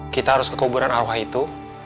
kita harus ke kuburan arwah itu